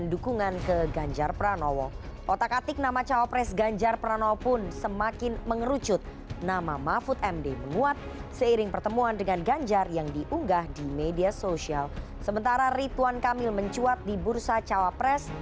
lembaga survei indonesia baru saja merilis hasil survei terbaru